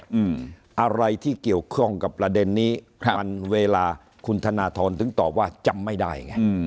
อะไรที่เกี่ยวข้องกับประเด็นนี้ครับมันเวลาคุณธนทรถึงตอบว่าจำไม่ได้ไงอืม